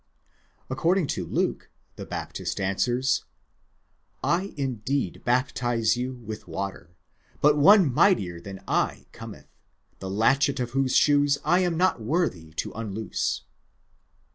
"® Accor ding to Luke, the Baptist answers, J indeed baptize you with water ; but one mightier than I cometh, the latchet of whose shoes lam not worthy to unloose.